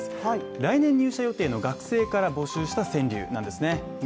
来年入社予定の学生から募集した川柳なんですね。